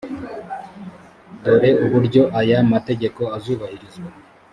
dore uburyo aya mategeko azubahirizwa